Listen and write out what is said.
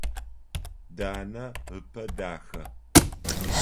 Данэ ыпэ дахэ.